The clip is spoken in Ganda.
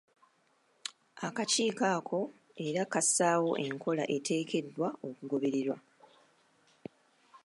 Akakiiko ako era kassaawo enkola eteekeddwa okugobererwa.